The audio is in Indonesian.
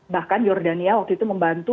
bahkan jordania waktu itu membantu